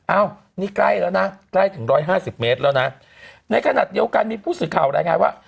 อ้าวนี่ใกล้แล้วนะใกล้ถึง๑๕๐เมตรแล้วนะในขณะเดียวกันมีผู้สื่อข่าวได้ไงว่า